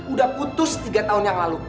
udah putus tiga tahun yang lalu